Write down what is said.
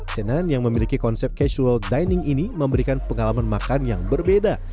tenan yang memiliki konsep casual dining ini memberikan pengalaman makan yang berbeda